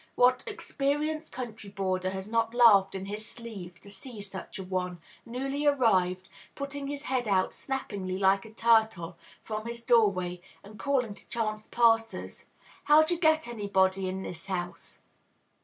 What experienced country boarder has not laughed in his sleeve to see such an one, newly arrived, putting his head out snappingly, like a turtle, from his doorway, and calling to chance passers, "How d'ye get at anybody in this house?"